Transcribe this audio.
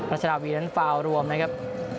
ราชนาวีนั้นฟาวรวมนะครับ